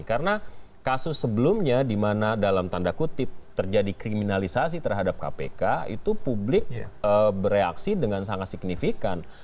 karena kasus sebelumnya dimana dalam tanda kutip terjadi kriminalisasi terhadap kpk itu publik bereaksi dengan sangat signifikan